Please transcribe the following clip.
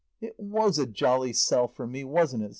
"It was a jolly sell for me, wasn't it?"